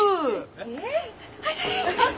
えっ？